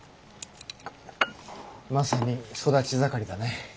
まさに育ち盛りだね。